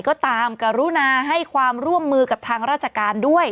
ก็ตามกรุณาให้ความร่วมมือกับทางราชการด้วย